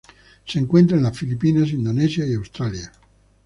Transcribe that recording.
Se encuentra en las Filipinas, Indonesia y Australia.